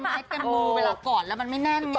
ไม่เต็มมือเวลาก่อนแล้วมันไม่แน่นมาก